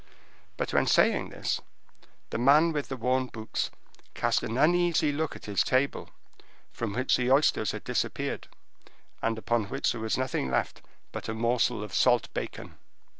But when saying this, the man with the worn boots cast an uneasy look at his table, from which the oysters had disappeared, and upon which there was nothing left but a morsel of salt bacon.